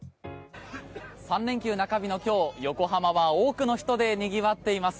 ３連休中日の今日横浜は多くの人でにぎわっています。